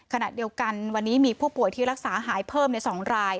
ขณะเดียวกันวันนี้มีผู้ป่วยที่รักษาหายเพิ่มใน๒ราย